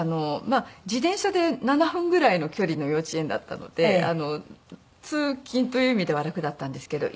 自転車で７分ぐらいの距離の幼稚園だったので通勤という意味では楽だったんですけど。